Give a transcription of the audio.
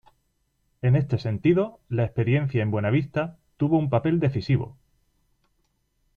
En este sentido la experiencia en Buena Vista tuvo un papel decisivo.